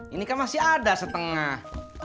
ini kan masih ada setengah